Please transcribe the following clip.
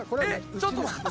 ちょっと待って。